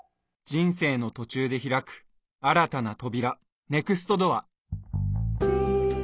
人生の途中で開く新たな扉「ネクストドア」。